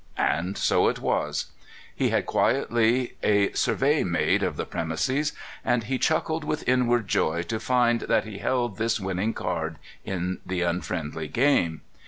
And so it was. He had quietly a survey made of the premises, and he chuckled with inward joy to find that he held this winning card in the unfriendly game.